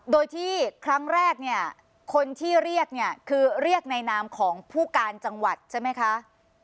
โดยที่ครั้งแรกเนี่ยคนที่เรียกเนี่ยคือเรียกในนามของผู้การจังหวัดใช่ไหมคะ